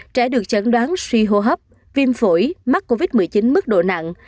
trẻ được chẩn đoán suy hô hấp viêm phổi mắc covid một mươi chín mức độ nặng